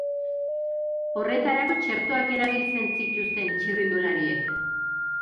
Horretarako txertoak erabiltzen zituzten txirrindulariek.